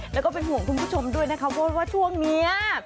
แล้วก็เป็นห่วงคุณผู้ชมด้วยนะคะว่าช่วงนี้